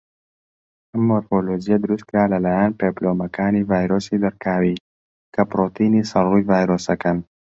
ئەم مۆرفۆلۆجیە دروستکرا لەلایەن پێپلۆمەکانی ڤایرۆسی دڕکاوی، کە پڕۆتینی سەر ڕووی ڤایرۆسەکەن.